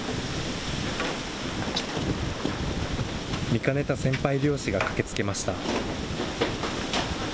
見かねた先輩漁師が駆けつけました。